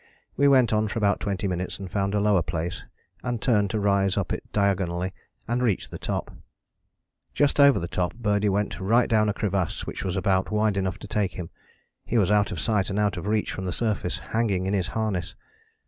We went on for about twenty minutes and found a lower place, and turned to rise up it diagonally, and reached the top. Just over the top Birdie went right down a crevasse, which was about wide enough to take him. He was out of sight and out of reach from the surface, hanging in his harness.